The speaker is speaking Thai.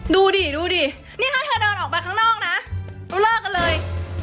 ดูดิดูดินี่ถ้าเธอเดินออกไปข้างนอกนะเขาเลิกกันเลย